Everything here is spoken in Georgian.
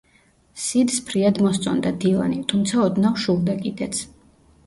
სიდს ფრიად მოსწონდა დილანი, თუმცა, ოდნავ შურდა კიდეც.